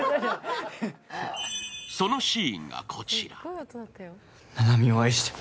そのシーンがこちら。